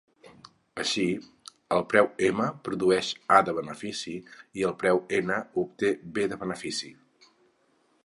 Així, el preu M produeix A de benefici i el preu N obté B de benefici.